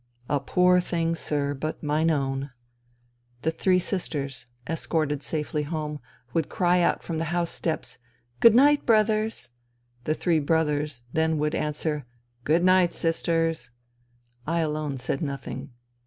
A poor thing, sir, but mine own I The three sisters, escorted safely home, would cry out from the house steps, " Good night. Brothers !" The " three brothers " then would answer, " Good night. Sisters !" I alone said no thing.